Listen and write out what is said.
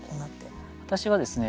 私はですね